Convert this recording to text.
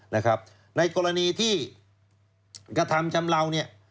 ในกรณีที่กระทำจำเลา